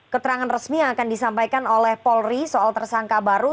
keterangan resmi yang akan disampaikan oleh polri soal tersangka baru